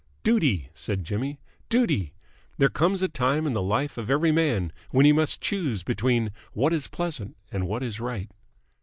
"Duty!" said Jimmy. "Duty! There comes a time in the life of every man when he must choose between what is pleasant and what is right."